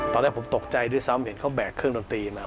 ตอนแรกผมตกใจด้วยซ้ำเห็นเขาแบกเครื่องดนตรีมา